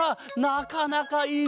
なかなかいいぞ！